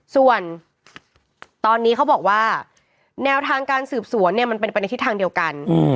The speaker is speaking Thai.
ส่วนตอนนี้เขาบอกว่าแนวทางการสืบสวนเนี่ยมันเป็นไปในทิศทางเดียวกัน